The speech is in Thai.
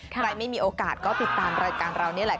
ไม่มีโอกาสก็ติดตามรายการเรานี่แหละ